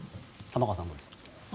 玉川さん、どうですか？